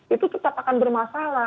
itu tetap akan bermasalah